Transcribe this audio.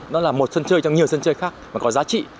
nó là một sân chơi trong nhiều sân chơi khác mà có giá trị